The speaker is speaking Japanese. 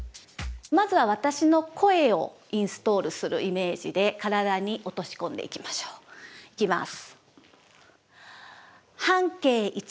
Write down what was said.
まずは私の声をインストールするイメージで体に落とし込んでいきましょう。いきます。